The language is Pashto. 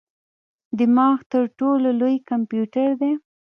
دماغ تر ټولو لوی کمپیوټر دی.